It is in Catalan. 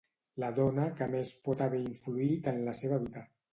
La dona que més pot haver influït en la seva vida.